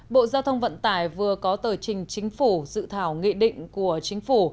bộ giao thông vận tải vừa có tờ trình chính phủ dự thảo nghị định của chính phủ